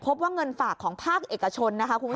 พบว่าเงินฝากของภาคเอกชนนะคะคุณผู้ชม